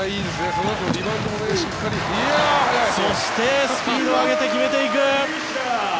そして、スピードを上げて決めていく。